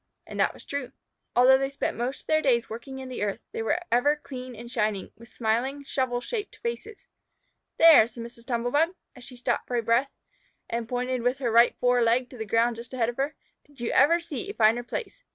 And that was true. Although they spent most of their days working in the earth, they were ever clean and shining, with smiling, shovel shaped faces. "There!" said Mrs. Tumble bug, as she stopped for breath and pointed with her right fore leg to the ground just ahead of her. "Did you ever see a finer place?"